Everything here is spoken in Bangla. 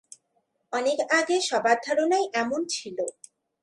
অনেক আগে সবার ধারণাই এমন ছিল।